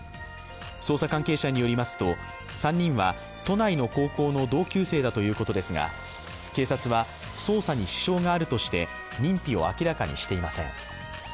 捜査関係者によりますと、３人は都内の高校の同級生だということですが、警察は捜査に支障があるとして認否を明らかにしていません。